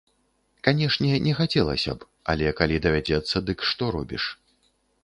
Канешне, не хацелася б, але, калі давядзецца, дык што робіш.